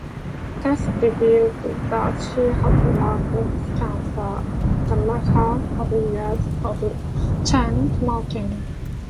Tests revealed that he had lung cancer, the result of years of chain smoking.